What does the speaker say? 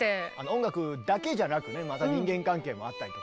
音楽だけじゃなくねまた人間関係もあったりとかね。